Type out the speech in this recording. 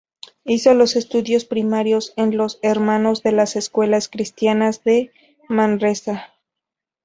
Hizo los estudios primarios en los Hermanos de las Escuelas Cristianas de Manresa.